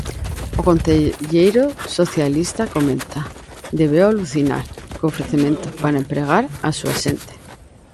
O concelleiro socialista, comenta, "debeu alucinar" co ofrecemento "para empregar á súa xente".